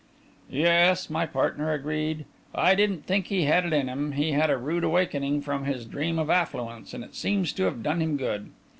"Yes," my partner agreed; "I didn't think he had it in him. He had a rude awakening from his dream of affluence, and it seems to have done him good."